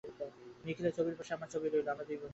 নিখিলের ছবির পাশে আমার ছবি রইল, আমরা দুই বন্ধু।